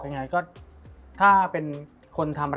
มันทำให้ชีวิตผู้มันไปไม่รอด